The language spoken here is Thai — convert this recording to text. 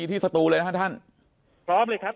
ก็ไม่รับทราบทั้งหมดเลยครับ